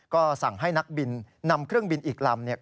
ก็สั่งให้นักบินนำเครื่องบินอีกลำเนี่ย